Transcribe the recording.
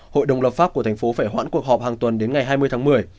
hội đồng lập pháp của thành phố phải hoãn cuộc họp hàng tuần đến ngày hai mươi tháng một mươi